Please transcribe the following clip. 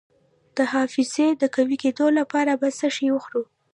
د حافظې د قوي کیدو لپاره باید څه شی وخورم؟